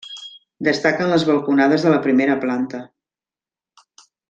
Destaquen les balconades de la primera planta.